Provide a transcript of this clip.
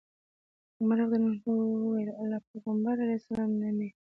عمر رضي الله عنه وويل: له پيغمبر عليه السلام نه مي